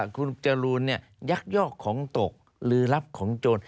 คุณจรูนยักยอกของตกหรือรับของโจร